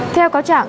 theo cáo trạng